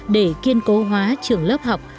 để kiên cố hóa trường lớp học